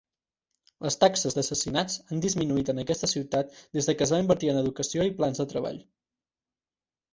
Les taxes d'assassinats han disminuït en aquesta ciutat des que es va invertir en educació i plans de treball.